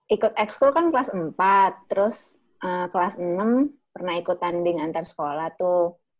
ikut ex school kan kelas empat terus kelas enam pernah ikut tanding antar sekolah tuh